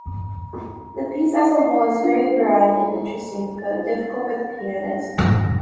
The piece as a whole is very varied and interesting, but difficult for the pianist.